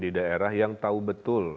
di daerah yang tahu betul